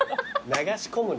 流し込むな。